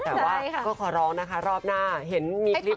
แต่ว่าก็ขอร้องนะคะรอบหน้าเห็นมีคลิป